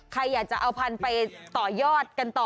ใครอยากจะเอาพันธุ์ไปต่อยอดกันต่อ